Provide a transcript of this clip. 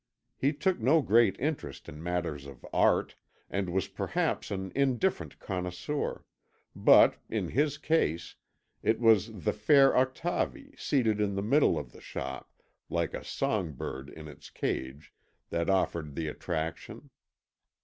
He took no great interest in matters of art, and was perhaps an indifferent connoisseur, but, in his case, it was the fair Octavie, seated in the middle of the shop, like a song bird in its cage, that offered the attraction.